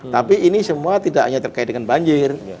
tapi ini semua tidak hanya terkait dengan banjir